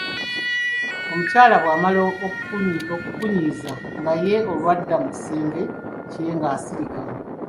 "Omukyala bw'amala okukunyiiza, nga ye olwo adda mu kisenge kye nga asirika."